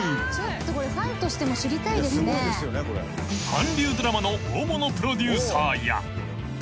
［韓流ドラマの大物プロデューサーや］